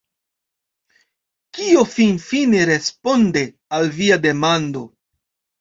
Kio finfine responde al via demando?